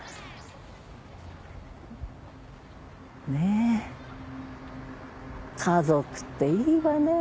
ねえ家族っていいわね。